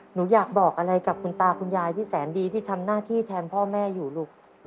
หนูอยากบอกอะไรกับคุณตาคุณยายที่แสนดีที่ทำหน้าที่แทนพ่อแม่อยู่ลูก